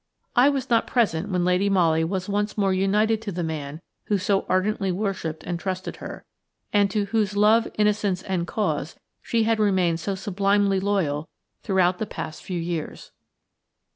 I was not present when Lady Molly was once more united to the man who so ardently worshipped and trusted her, and to whose love, innocence, and cause she had remained so sublimely loyal throughout the past few years.